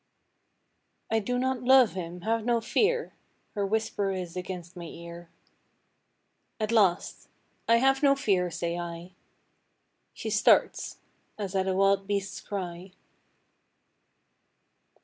"I do not love him: have no fear," Her whisper is, against my ear. At last, "I have no fear," say I. She starts, as at a wild beast's cry.